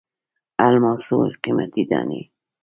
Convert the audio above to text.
الماسو قیمتي دانې.